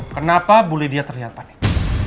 kenapa bu lydia terlihat panik